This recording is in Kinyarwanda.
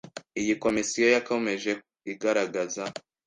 Iyi komisiyo yakomeje igaragaza